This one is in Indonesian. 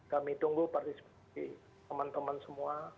kami tunggu partisipasi teman teman semua